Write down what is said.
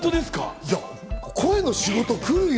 声の仕事来るよ。